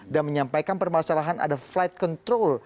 dan menyampaikan permasalahan ada flight control